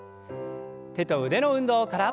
手と腕の運動から。